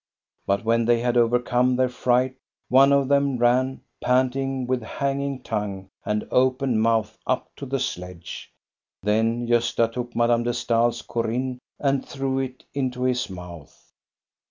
But when they had overcome their fright, one of them ran, panting, with hanging tongue and open mouth up to the sledge. Then Gosta took Madame de Stael's " Corinne " and threw it into his mouth.